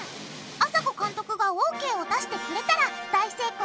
あさこ監督がＯＫを出してくれたら大成功だよ。